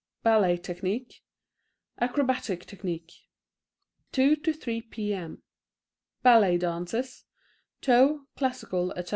{Ballet Technique {Acrobatic Technique 2 to 3 P.M. {Ballet Dances (Toe, Classical, Etc.)